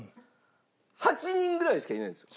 ８人ぐらいしかいないんですよ。